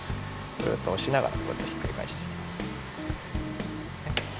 ぐっとおしながらこうやってひっくりかえしていきます。